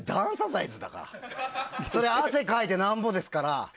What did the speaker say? そら、汗かいてなんぼですから。